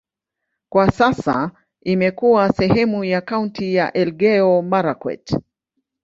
Kwa sasa imekuwa sehemu ya kaunti ya Elgeyo-Marakwet.